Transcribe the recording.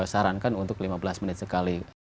sarankan untuk lima belas menit sekali